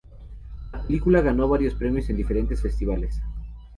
La película ganó varios premios en diferentes festivales.